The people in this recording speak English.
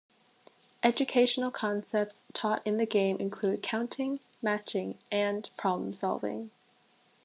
Educational concepts taught in the game include counting, matching, and problem solving.